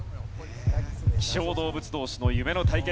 希少動物同士の夢の対決。